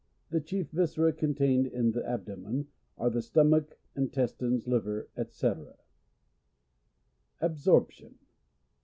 The chief viscera contained in the abdomen, are the stomach, intestines, liver, &c. &c. Absorption.